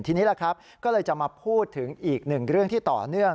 ทีนี้ล่ะครับก็เลยจะมาพูดถึงอีกหนึ่งเรื่องที่ต่อเนื่อง